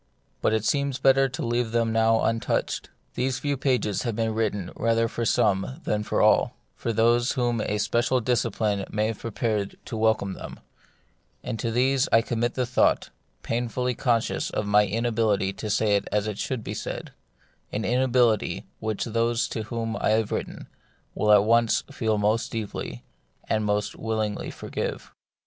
But it seems better to leave them now untouched. These few pages have been written rather for some than for all, for those whom a special discipline may have prepared to welcome them ; and to these I commit the thought, painfully conscious of my inability to say it as it should be said, an inability which those to whom I have written will at once feel most deeply, and most will ingly forgive.